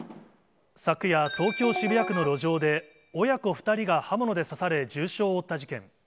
昨夜、東京・渋谷区の路上で、親子２人が刃物で刺され、重傷を負った事件。